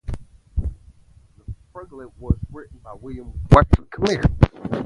The prologue was written by William Wycherley.